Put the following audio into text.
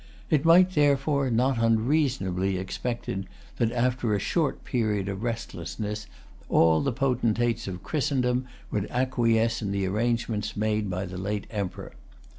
It might, therefore, not unreasonably be expected that, after a short period of restlessness, all the potentates of Christendom would acquiesce in the arrangements made by the late Emperor.